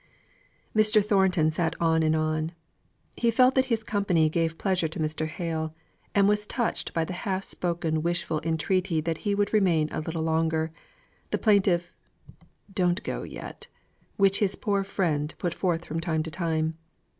Mr. Thornton sate on and on. He felt that his company gave pleasure to Mr. Hale; and was touched by the half spoken wishful entreaty that he would remain a little longer the plaintive "Don't go yet," which his poor friend put forth from time to time.